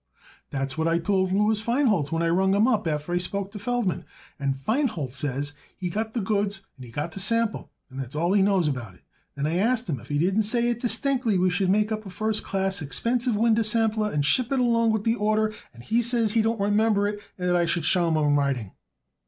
"That's what I told Louis Feinholz when I rung him up after I spoke to Feldman, and Feinholz says he got the goods and he got the sample, and that's all he knows about it. Then I asked him if he didn't say it distinctly we should make up a first class, expensive winder sample and ship it along with the order, and he says he don't remember it and that I should show him a writing."